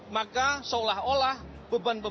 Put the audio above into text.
maka seolah olah beban beban